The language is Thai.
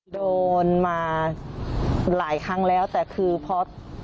โดนมาหลายครั้งแล้วแต่คือเพราะ